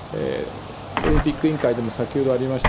オリンピック委員会でも先ほどありました